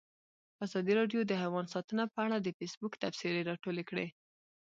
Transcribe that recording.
ازادي راډیو د حیوان ساتنه په اړه د فیسبوک تبصرې راټولې کړي.